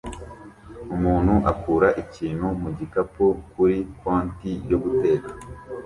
Umuntu akura ikintu mu gikapu kuri konti yo guteka